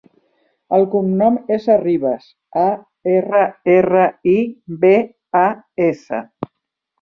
El cognom és Arribas: a, erra, erra, i, be, a, essa.